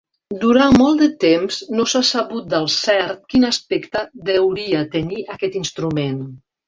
Durant molt de temps, no s'ha sabut del cert quin aspecte deuria tenir aquest instrument.